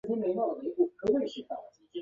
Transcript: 首任专家组组长为闪淳昌。